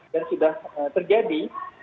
yang sudah terjadi